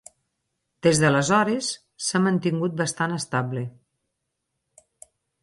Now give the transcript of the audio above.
Des d'aleshores s'ha mantingut bastant estable.